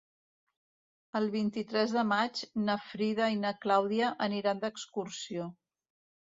El vint-i-tres de maig na Frida i na Clàudia aniran d'excursió.